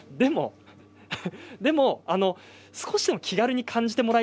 でも少しでも気軽に感じてもらい